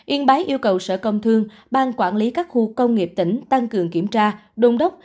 yên bái yêu cầu sở công thương bang quản lý các khu công nghiệp tỉnh tăng cường kiểm tra đôn đốc